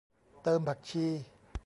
เติมผักชี